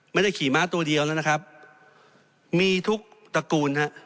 ไม่ได้ขี่ม้าตัวเดียวแล้วนะครับมีทุกตระกูลฮะ